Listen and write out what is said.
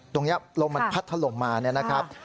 ตรงเนี่ยลมมันพัดถลงมาเนี่ยนะครับ